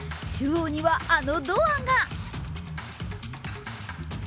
中央には、あのドアが。